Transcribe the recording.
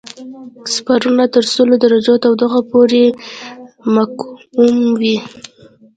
سپورونه تر سلو درجو تودوخه پورې مقاوم وي.